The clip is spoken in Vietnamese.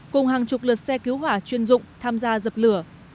cùng hàng chục lượt xe cứu hỏa chuyên dụng tham gia dập lửa